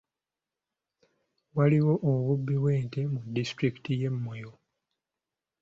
Waliwo obubbi bw'ente mu disitulikiti y'e Moyo.